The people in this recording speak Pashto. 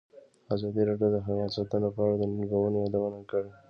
ازادي راډیو د حیوان ساتنه په اړه د ننګونو یادونه کړې.